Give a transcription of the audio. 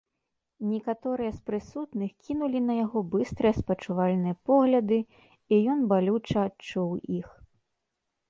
Некаторыя з прысутных кінулі на яго быстрыя спачувальныя погляды, і ён балюча адчуў іх.